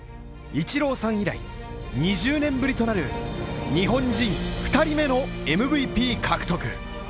イチローさん以来２０年ぶりとなる日本人２人目のＭＶＰ獲得。